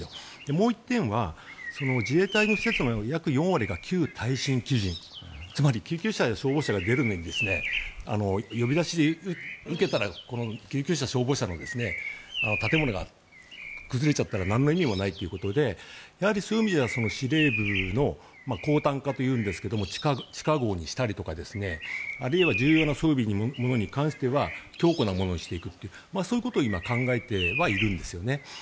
もう１点は自衛隊の施設の約４割が旧耐震基準つまり救急車、消防車が出るのに呼び出しを受けたらこの救急車、消防車の建物が崩れちゃったらなんの意味もないということでそういう意味じゃ、司令部の抗堪化というんですが地下壕にしたりとかあるいは重要な装備のものに関しては強化なものにしていくというそういうことを今、考えてはいるんですね。